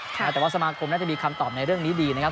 แต่ว่าสมาคมน่าจะมีคำตอบในเรื่องนี้ดีนะครับ